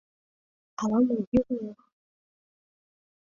Ала-мо йӱла!..